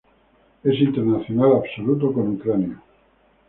Es internacional absoluto con Ucrania.